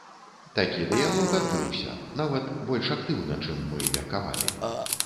Такі дыялог адбыўся, нават больш актыўна, чым мы меркавалі.